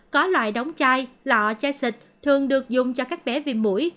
có loài đóng chai lọ chai xịt thường được dùng cho các bé viêm mũi